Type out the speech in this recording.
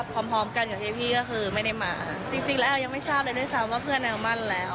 ก็เท่าที่ทราบกันกับเฮพี่ก็คือไม่ได้มาจริงแล้วยังไม่ทราบด้วยก็กับเครื่องหาบ้านแล้ว